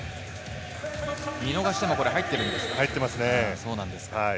見逃しても入っているんですね。